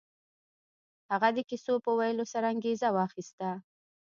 هغه د کيسو په ويلو سره انګېزه واخيسته.